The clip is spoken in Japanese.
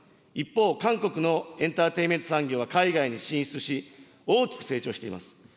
一方、韓国のエンターテイメント産業は海外に進出し、大きく成長しています。